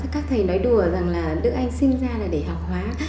các thầy nói đùa rằng là đức anh sinh ra là để học hóa